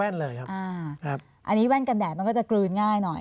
อันนี้แว่นกันแดดมันก็จะกลืนง่ายหน่อย